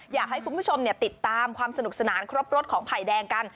อยากให้คุณผู้ชมติดตามความสนุกสนานครบรถของไผ่แดงกัน